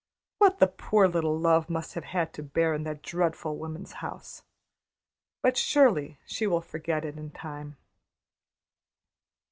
What the poor little love must have had to bear in that dreadful woman's house! But, surely, she will forget it in time."